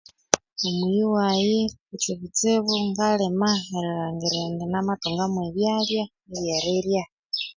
Omuyi waghe kutsibutsi ngalima erilhangira indi namathungamo ebyalya ebyerirya